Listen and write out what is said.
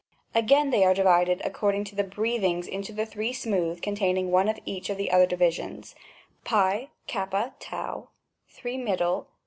Again, they are divided according to the breath ings into 3 smooth containing one of each of the other divisions, n, ^yr\ 3 middle